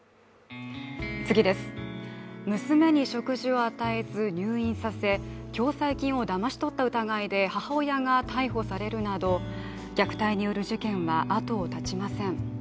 娘に食事を与えず、入院させ共済金をだまし取った疑いで母親が逮捕されるなど虐待による事件は後を絶ちません。